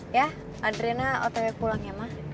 ya adriana oteknya pulang ya ma